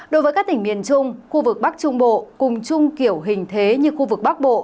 đối với các tỉnh miền trung khu vực bắc trung bộ cùng chung kiểu hình thế như khu vực bắc bộ